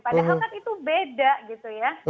padahal kan itu beda gitu ya